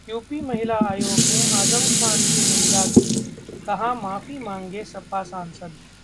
UP महिला आयोग ने आजम खान की निंदा की, कहा-माफी मांगें सपा सांसद